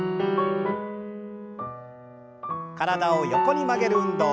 体を横に曲げる運動。